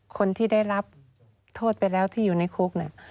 คนที่ได้รับโทษไปแล้วที่อยู่ในคุกเนี่ย